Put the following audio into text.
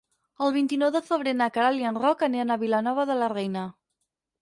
El vint-i-nou de febrer na Queralt i en Roc aniran a Vilanova de la Reina.